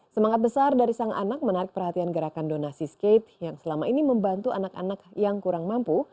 semangat besar dari sang anak menarik perhatian gerakan donasi skate yang selama ini membantu anak anak yang kurang mampu